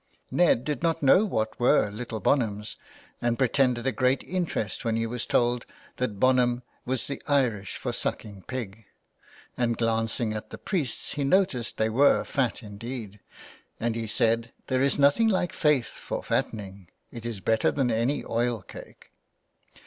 Ned did not know what were little bonhams, and pretended a great interest when he was told that bonham was the Irish for sucking pig, and glancing at the priests he noticed they were fat indeed, and he said, There is nothing like faith for fattening. It is better than any oil cake.'